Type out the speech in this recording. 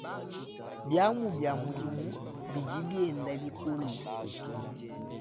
Biamu bia mudimu bidi bienda bikola.